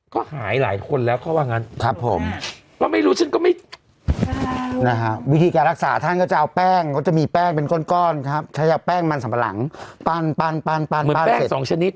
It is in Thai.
ก็หายหลายคนแล้วเพราะว่างั้น